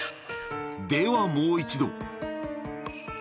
ではもう一度。